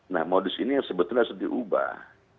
nah modus ini sebetulnya sudah diubah